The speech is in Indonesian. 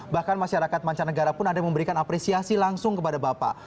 bahkan masyarakat mancanegara pun ada memberikan apresiasi langsung kepada bapak